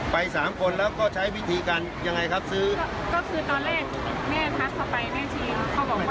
ไปสามคนแล้วก็ใช้วิธีการยังไงครับซื้อก็ซื้อตอนแรก